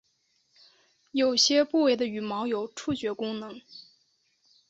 有些部位的羽毛有触觉功能。